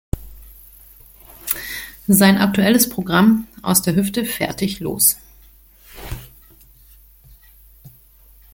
Sein aktuelles Programm "Aus der Hüfte, fertig, los!